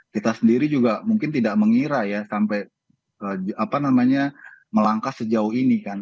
kita sendiri juga mungkin tidak mengira ya sampai melangkah sejauh ini kan